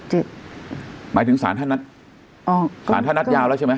หมายถึงศาลท่านนัดยาวแล้วใช่มั้ย